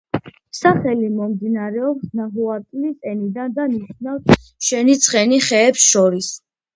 სახელი მომდინარეობს ნაჰუატლის ენიდან და ნიშნავს „შენი ცხენი ხეებს შორის“.